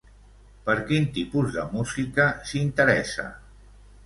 Per quin tipus de música s'interessa?